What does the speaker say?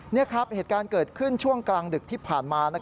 นี่ครับเหตุการณ์เกิดขึ้นช่วงกลางดึกที่ผ่านมา